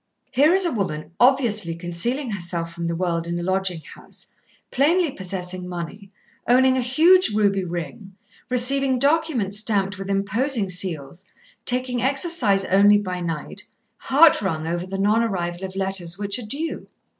"Here is a woman obviously concealing herself from the world in a lodging house, plainly possessing money, owning a huge ruby ring, receiving documents stamped with imposing seals, taking exercise only by night, heart wrung over the non arrival of letters which are due.